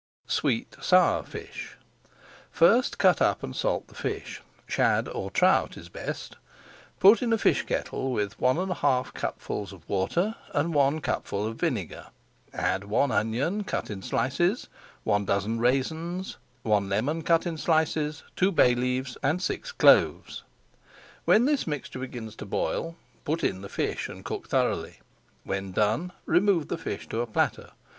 SWEET SOUR FISH First cut up and salt the fish. Shad or trout is best. Put in a fish kettle with one and one half cupfuls of water and one cupful of vinegar, add one onion cut in slices, one dozen raisins, one [Page 484] lemon cut in slices, two bay leaves, and six cloves. When this mixture begins to boil, put in the fish and cook thoroughly. When done, remove the fish to a platter.